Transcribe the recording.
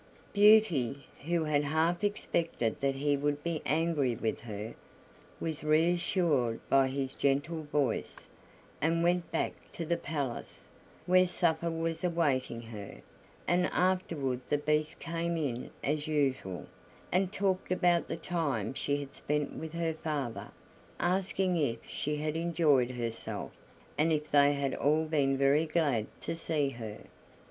Beauty, who had half expected that he would be angry with her, was reassured by his gentle voice, and went back to the palace, where supper was awaiting her; and afterward the Beast came in as usual, and talked about the time she had spent with her father, asking if she had enjoyed herself, and if they had all been very glad to see her.